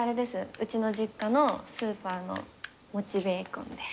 うちの実家のスーパーのもちベーコンです。